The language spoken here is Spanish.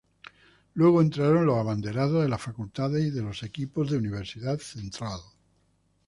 Luego entraron los abanderados de las facultades y de los equipos de Universidad Central.